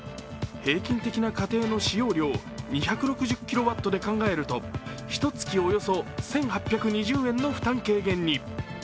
平均的な家庭の使用量２６０キロワットで考えると、ひとつきおよそ１８２０円の負担軽減に。